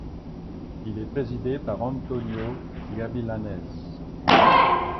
Il est présidé par Antonio Gavilanes.